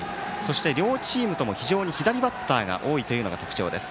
両チームとも非常に左バッターが多いのが特徴です。